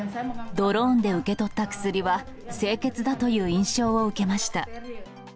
ドローンで受け取った薬は、清潔だという印象を受けました。